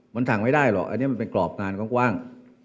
มันทางไม่ได้หรอกอันนี้เป็นกรอบการฮ่าง